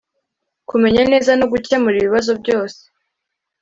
kumenya neza no gukemura ibibazo byose